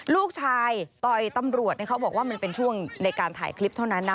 ลูกชายต่อยตำรวจเขาบอกว่ามันเป็นช่วงในการถ่ายคลิปเท่านั้นนะ